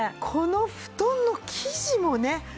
この布団の生地もね